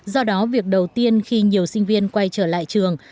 do đó việc đầu tiên khi nhiều sinh viên quay trở lại trường